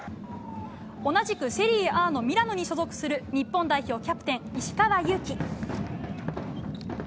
同じくセリエＡのミラノに所属する日本代表キャプテン、石川祐希。